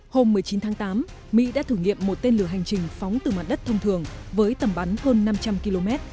hôm một mươi chín tháng tám mỹ đã thử nghiệm một tên lửa hành trình phóng từ mặt đất thông thường với tầm bắn hơn năm trăm linh km